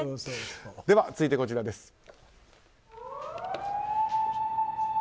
では続いて、こちらです。